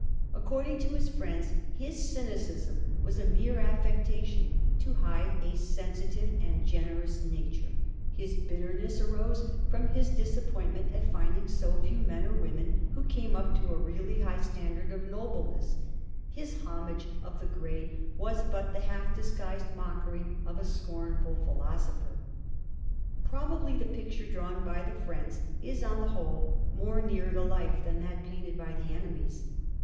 According to his friends, his cynicism was a mere affectation to hide a sensitive and gene rous nature ; his bitterness arose from his disappoint ment at finding so few men or women who came up to a really high standard of nobleness ; his homage of the great was but the half disguised mockery of a scornful philosopher. Probably the picture drawn by the friends is on the whole more near to life than that painted by the enemies.